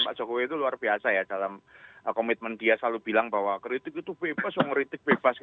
pak jokowi itu luar biasa ya dalam komitmen dia selalu bilang bahwa kritik itu bebas yang kritik bebas